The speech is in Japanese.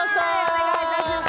お願いいたします